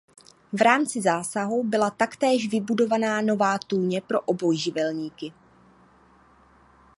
V rámci zásahu byla taktéž vybudována nová tůně pro obojživelníky.